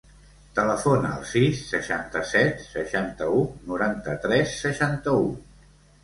Telefona al sis, seixanta-set, seixanta-u, noranta-tres, seixanta-u.